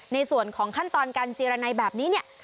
ในส่วนของขั้นตอนการเจรนัยแบบนี้เนี่ย